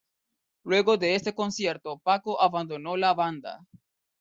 Luego de este concierto Paco abandonó la banda.